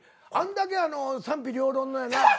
あんだけ賛否両論のやな。